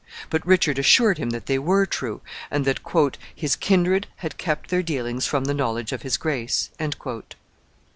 But Richard assured him that they were true, and that "his kindred had kepte their dealings from the knowledge of his grace."